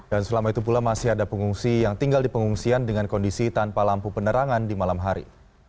dan selama itu pula masih ada pengungsi yang tinggal di pengungsian dengan kondisi tanpa lampu penerangan di malam hari